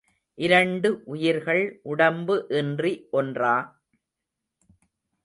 இரண்டு உயிர்கள் உடம்பு இன்றி ஒன்றா.